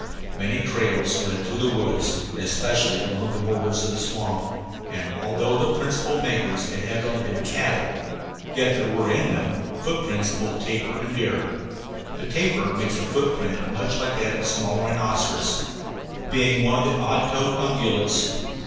Many trails led through the woods, and especially along the borders of the swamp; and, although their principal makers had evidently been cattle, yet there were in them footprints of both tapir and deer. The tapir makes a footprint much like that of a small rhinoceros, being one of the odd toed ungulates.